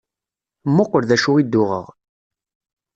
Mmuqqel d acu i d-uɣeɣ.